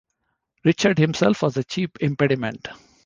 Richard himself was the chief impediment.